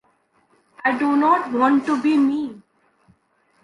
I do not want to be me.